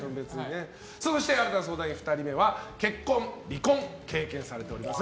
そして、新しい相談員２人目は結婚、離婚を経験されています